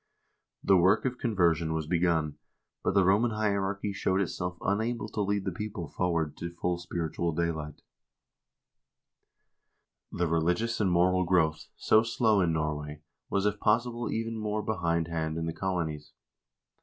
The work of conversion was begun, but the Roman hierarchy showed itself unable to lead the people forward to full spiritual daylight. ORGANIZATION AND GROWTH OF THE CHURCH OF NORWAY 351 The religious and moral growth, so slow in Norway, was, if pos sible, even more behindhand in the colonies.